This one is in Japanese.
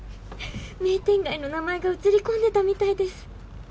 名店街の名前がうつり込んでたみたいです。